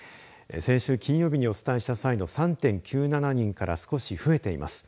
先週金曜日にお伝えした際の３．９７人から少し増えています。